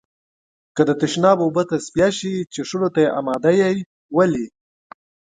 که د تشناب اوبه تصفيه شي، څښلو ته يې آماده يئ؟ ولې؟